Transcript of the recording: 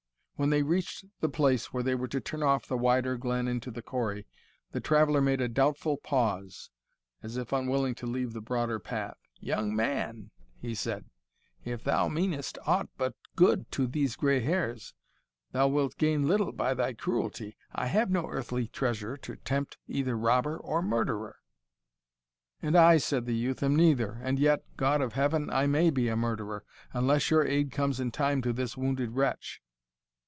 When they reached the place where they were to turn off the wider glen into the Corri, the traveller made a doubtful pause, as if unwilling to leave the broader path "Young man," he said, "if thou meanest aught but good to these gray hairs, thou wilt gain little by thy cruelty I have no earthly treasure to tempt either robber or murderer." "And I," said the youth, "am neither and yet God of Heaven! I may be a murderer, unless your aid comes in time to this wounded wretch!"